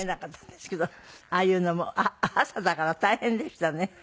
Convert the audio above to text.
ああいうのも朝だから大変でしたね。